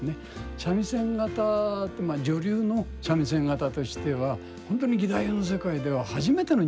三味線方ってまあ女流の三味線方としては本当に義太夫の世界では初めての認定なんですね。